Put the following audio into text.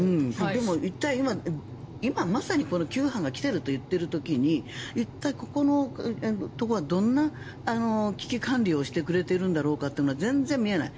でも、今まさに９波が来ているといった時に一体ここのところはどんな危機管理をしてくれているんだろうかということが全然見えない。